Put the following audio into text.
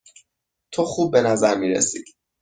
تو خوب به نظر می رسی.